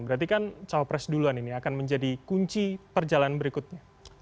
berarti kan cawapres duluan ini akan menjadi kunci perjalanan berikutnya